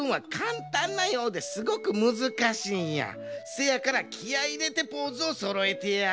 せやからきあいいれてポーズをそろえてや。